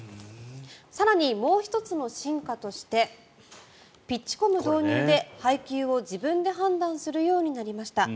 更に、もう１つの進化としてピッチコム導入で配球を自分で判断するようになりました。